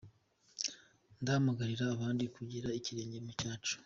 Ndahamagarira abandi kugera ikirenge mu cyacu.